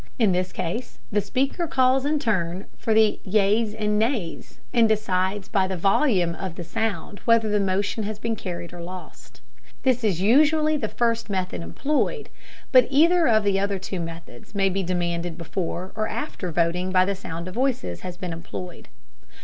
In this case the Speaker calls in turn for the "ayes" and "noes," and decides by the volume of the sound whether the motion has been carried or lost. This is usually the method first employed, but either of the other two methods may be demanded before or after voting by sound of voices has been employed.